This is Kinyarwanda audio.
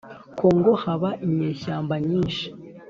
Congo haba inyeshyamba nyinshi